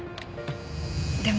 でも。